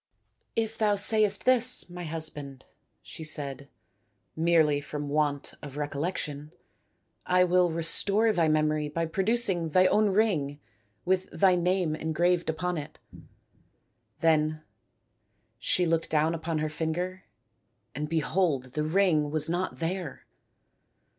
" If thou sayest this, my husband," she said, " merely from want of recollec tion, I will restore thy memory by producing thy own ring with thy name engraved upon it." Then she looked down upon her finger and behold the ring was not there